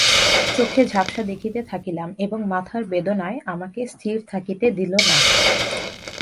চোখে ঝাপসা দেখিতে লাগিলাম এবং মাথার বেদনায় আমাকে স্থির থাকিতে দিল না।